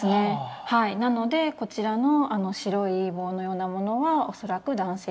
なのでこちらの白い棒のようなものは恐らく男性器。